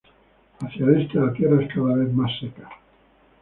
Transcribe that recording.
Hacia el este, la tierra es cada vez más seca.